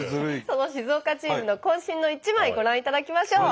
その静岡チームの渾身の一枚ご覧いただきましょう。